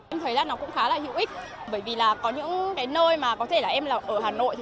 em thấy là nó cũng khá là hữu ích bởi vì là có những cái nơi mà có thể là em là ở hà nội